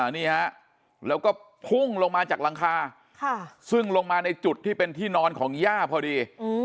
นี่ฮะแล้วก็พุ่งลงมาจากหลังคาซึ่งลงมาในจุดที่เป็นที่นอนของย่าพอดี